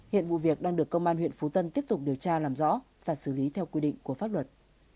hiện vụ việc đang được công an huyện phú tân tiếp tục điều tra làm rõ và xử lý theo quy định của pháp luật